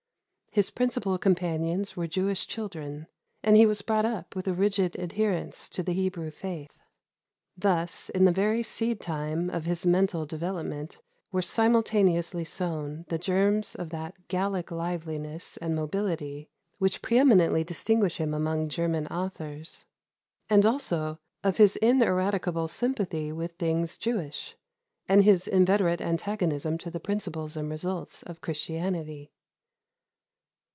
His principal companions were Jewish children, and he was brought up with a rigid adherence to the Hebrew faith. Thus in the very seed time of his mental development were simultaneously sown the germs of that Gallic liveliness and mobility which pre eminently distinguish him among German authors, and also of his ineradicable sympathy with things Jewish, and his inveterate antagonism to the principles and results of Christianity.